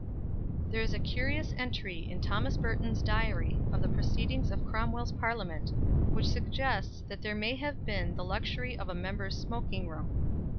There is a curious entry in Thomas Burton's diary of the proceedings of Cromwell's Parliament, which suggests that there may then have been the luxury of a members' smoking room.